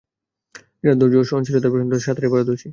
যারা ধৈর্য ও সহনশীলতায় প্রচণ্ড, সাঁতারে পারদর্শী।